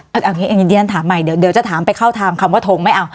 เอาอย่างนี้ดิฉันถามใหม่เดี๋ยวจะถามไปเข้าทางคำว่าทงไม่เอา